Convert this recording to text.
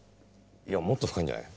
いやもっと深いんじゃない？